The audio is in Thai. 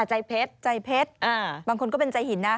ใจเพชรใจเพชรบางคนก็เป็นใจหินนะ